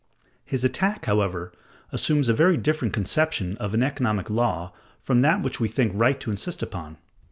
His attack, however, assumes a very different conception of an economic law from that which we think right to insist upon.